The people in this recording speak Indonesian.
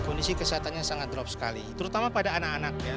kondisi kesehatannya sangat drop sekali terutama pada anak anaknya